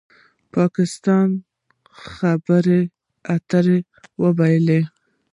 پاکستان خبرې اترې وبایللې